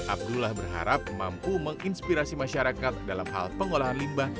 abdullah berharap mampu menginspirasi masyarakat dalam hal pengolahan limbah